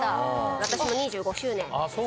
私も２５周年。